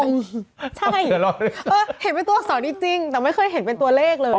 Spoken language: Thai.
เห็นไม่ตัวอักษรมินก็งงใช่เออเห็นไม่ตัวอักษรนี่จริงแต่ไม่เคยเห็นเป็นตัวเลขเลย